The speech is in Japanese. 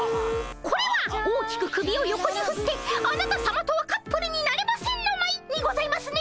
これは大きく首を横にふってあなたさまとはカップルになれませんのまいにございますね。